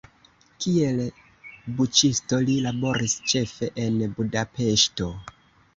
Kiel buĉisto li laboris ĉefe en Budapeŝto.